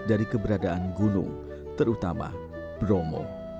dari keberadaan gunung terutama bromo